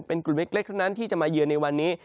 เป็นกลุ่มเล็กทั้งนั้นที่จะมาเยือนในวันนี้